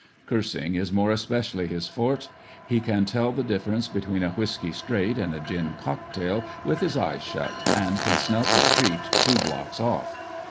Cursing is more especially his forte. He can tell the difference between a whisky straight and a gin cocktail with his eyes shut, and can snuff a treat two blocks off.